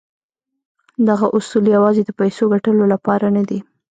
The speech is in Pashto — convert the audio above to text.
دغه اصول يوازې د پيسو ګټلو لپاره نه دي.